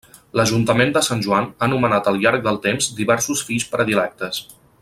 L'Ajuntament de Sant Joan ha nomenat al llarg del temps diversos Fills Predilectes.